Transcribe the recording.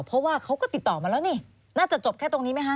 เพราะว่าเขาก็ติดต่อมาแล้วนี่น่าจะจบแค่ตรงนี้ไหมคะ